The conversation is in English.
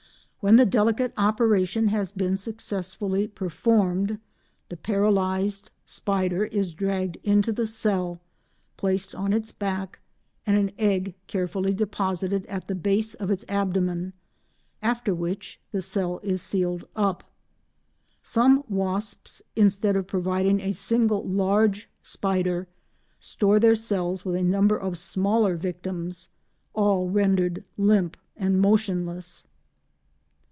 When the delicate operation has been successfully performed, the paralysed spider is dragged into the cell, placed on its back, and an egg carefully deposited at the base of its abdomen, after which the cell is sealed up. Some wasps, instead of providing a single large spider, store their cells with a number of smaller victims, all rendered limp and motionless.